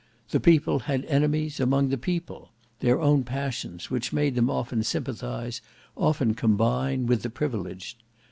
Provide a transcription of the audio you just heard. The people had enemies among the people: their own passions; which made them often sympathize, often combine, with the privileged.